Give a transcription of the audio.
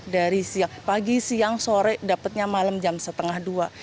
dari pagi siang sore dapatnya malam jam setengah dua